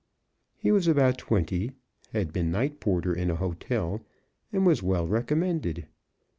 He was about twenty, had been night porter in a hotel, and was well recommended.